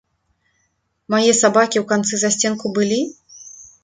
Мае сабакі ў канцы засценку былі?